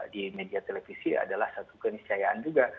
di media televisi adalah satu keniscayaan juga